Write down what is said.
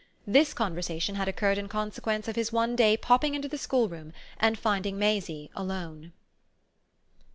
This conversation had occurred in consequence of his one day popping into the schoolroom and finding Maisie alone.